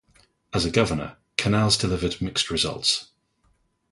As a governor, Canales delivered mixed results.